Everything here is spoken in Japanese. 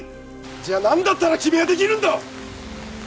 じゃあ何だったら君はできるんだ？